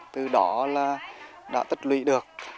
từ đó là đã tích lụy được